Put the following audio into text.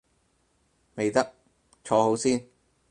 未得，坐好先